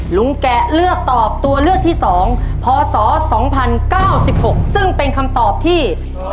แกะเลือกตอบตัวเลือกที่๒พศ๒๐๙๖ซึ่งเป็นคำตอบที่